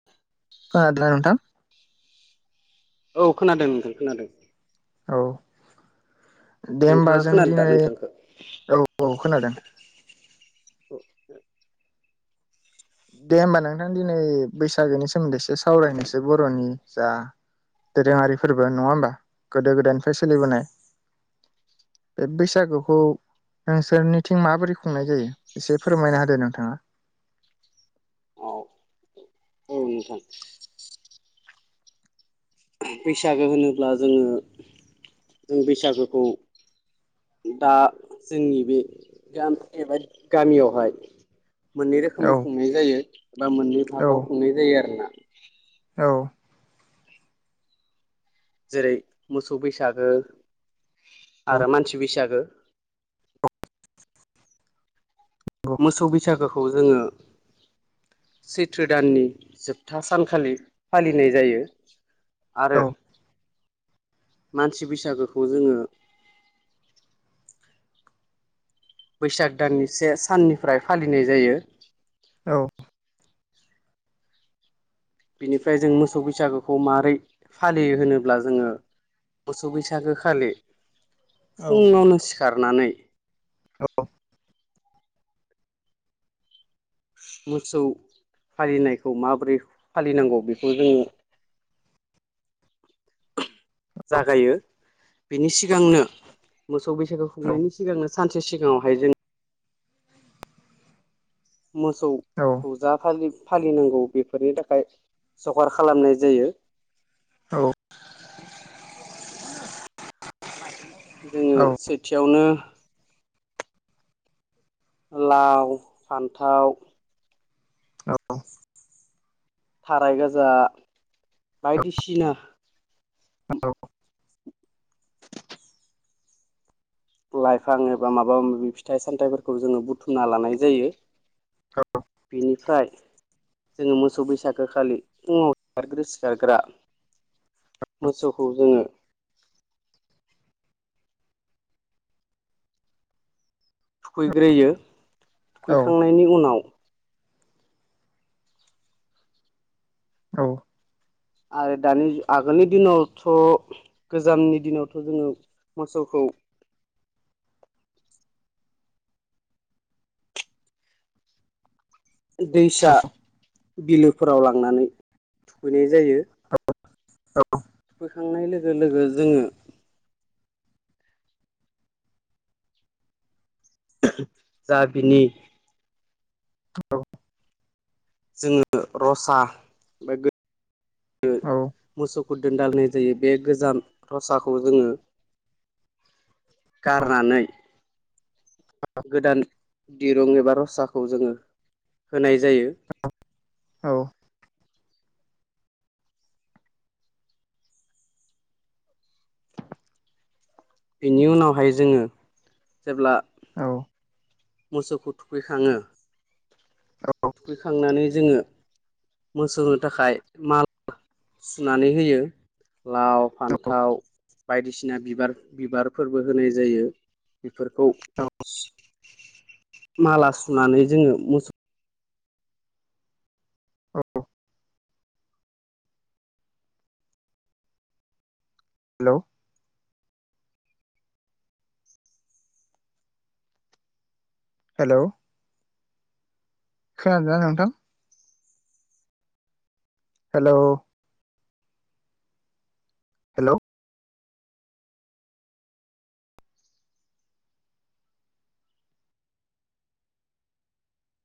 [inaudible] खोनादोंना नोंथां? औ खोनादों नोंथां खोनादों। औ दे होमबा नोंथाङा जों खोनादों दा दिनै नोंथांखौ औ औ खोनादों। औ। दे होमबा नोंथां दिनै बैसागोनि सोमोन्दै एसे सावरायनोसै बर'नि जा दोरोङारिफोरबो नङा होमबा गोदो गोदायनिफ्राय सोलिबोनाय। बे बैसागुखौ नों सोरोरनिथिं माबोरै खुंनाय जायो एसे फोरमायना होदो नोंथाङा? औ नोंथां। बैसागो होनोब्ला जोङो जों बैसागोखौ दा जोंनि बे एबा गामियावहाय मोननै औ रोखोमै खुंनाय जायो एबा मोननै औ भागाव खुंनाय जायो आरो ना औ जेरै मोसौ बैसागो औ आरो मानसि बैसागो नंगौ मोसौ बैसागोखौ जोङो सैथ्र दाननि जोबथा सानखालि फालिनाय जायो आरो मानसि बैसागोखौ जोङो बैसाग दाननि से साननिफ्राय फालिनाय जायो औ बिनिफ्राय जों मोसौ बैसागोखौ माबोरै फालियो होनोब्ला जोङो मोसौ बैसागोखालि औ फुङावनो सिखारनानै औ मोसौ फालिनायखौ माबोरै फालिनांगौ बेखौ जोङो जागायो बिनि सिगांनो मोसौ बैसागु औ खुंनायनिां सिगांनोानसे सिगाङावहाय जों मोसौ औ फुजालि फालिनांगौ बेफोरनि थाखाय जगार खालामनाय जायो औ जोङो औ सेथियावनो लाव फान्थाव थाराय गोजा बायदिसिना लाइफां एबा माबा माबि फिथाइ सामथाइफोरखौ जोङो बुथुमना लानाय जायो बिनिफ्राय जोङो मोसौ बैसागो खालि फुङाव सिखारग्रो सिखारग्रा मोसौखौ जोङो थुखैग्रोयो थुखैखांनायनि उनाव आरो दानि आगोलनि दिनावथ' गोजामनि दिनावथ' जोङो मोसौखौ दैसा बिलोफोराव लांनानै थुखैनाय जायो बोखांनाय लोगो लोगो जोङो जा बिनि औ जोङो रसा मोसौखौ दोनदाल होननाय जायो बे गोजान थसाखौ जोङो गारनानै गोदान दिरुं एबा रसाखौ जोङो होनाय जायो औ बेनि उनावहाय जोङो जेब्ला मोसौखौ थुखैखाङो थुखैखांनानै जोङो मोसौनो थाखाय माल सुनानै होयो लाव फान्थाव बायदिसिना बिबार बिबारफोरबो होनाय जायो बेफोरखौ माला सुनानै जोङो मोसौ औ औ हेल' हेल' खोनानो ज नोंथां हेल' हेल'